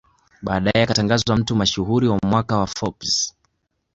Baadae akatangazwa mtu mashuhuri wa mwaka wa Forbes